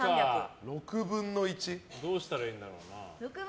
どうしたらいいんだろうな。